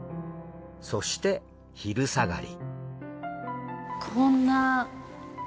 そして昼下がり。